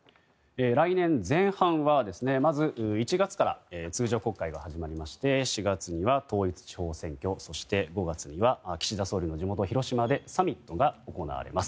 来年前半は、まず１月から通常国会が始まりまして４月には統一地方選挙そして５月には岸田総理の地元広島でサミットが行われます。